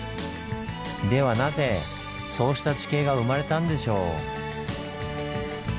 ではなぜそうした地形が生まれたんでしょう？